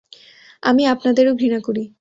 আমি আপনাদেরও ঘৃণা করি।